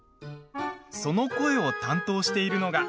その声を担当しているのが。